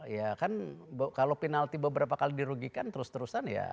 ya kan kalau penalti beberapa kali dirugikan terus terusan ya